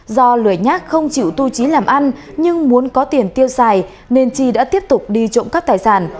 do lười nhác không chịu tu trí làm ăn nhưng muốn có tiền tiêu xài nên chi đã tiếp tục đi trộm cắp tài sản